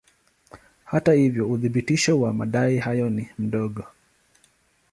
Hata hivyo uthibitisho wa madai hayo ni mdogo.